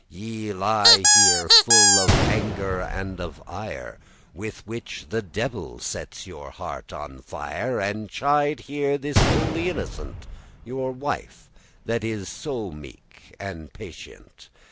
<18> Ye lie here full of anger and of ire, With which the devil sets your heart on fire, And chide here this holy innocent Your wife, that is so meek and patient.